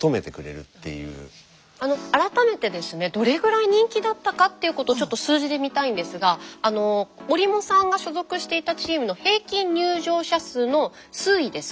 改めてですねどれぐらい人気だったかっていうことをちょっと数字で見たいんですが折茂さんが所属していたチームの平均入場者数の推移です